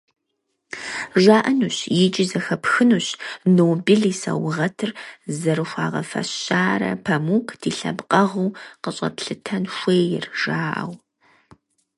ЖаӀэнущ, икӀи зэхэпхынущ, Нобель и саугъэтыр зэрыхуагъэфэщара Памук ди лъэпкъэгъуу къыщӀэтлъытэн хуейр, жаӀэу.